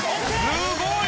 すごい！